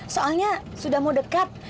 soalnya sudah mau dekat